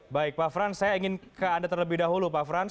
baik pak frans saya ingin ke anda terlebih dahulu pak frans